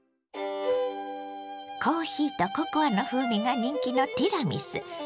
コーヒーとココアの風味が人気のティラミス。